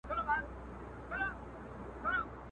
پر کرنگ نيمه دانه هم ډېره ده.